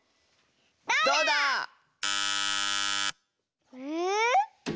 どうだ⁉え。